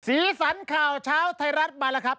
สีสันข่าวเช้าไทยรัฐมาแล้วครับ